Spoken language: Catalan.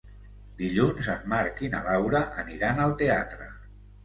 Dilluns en Marc i na Laura aniran al teatre.